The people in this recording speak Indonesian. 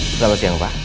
selamat siang pak